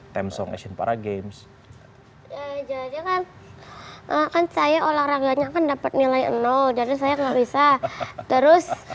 temsong asian para games akan saya olahraganya dapat nilai enol dari saya nggak bisa terus